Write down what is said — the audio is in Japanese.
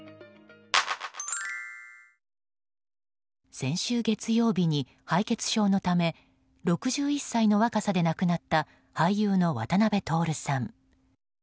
先週月曜日に、敗血症のため６１歳の若さで亡くなった俳優の渡辺徹さん。